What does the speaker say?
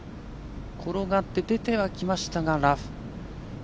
転がって出てはきましたがラフ。